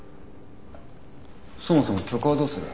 そもそも曲はどうする？